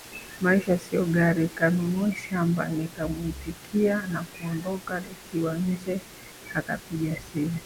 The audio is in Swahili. Maisha sio gari kanunue shamba Nikamuitikia na kuondoka Nikiwa nje akapiga simu